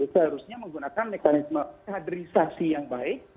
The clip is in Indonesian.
seharusnya menggunakan mekanisme kaderisasi yang baik